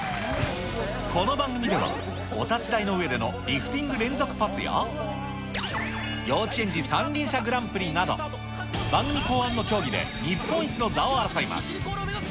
この番組では、お立ち台の上でのリフティング連続パスや、幼稚園児三輪車グランプリなど、番組考案の競技で日本一の座を争います。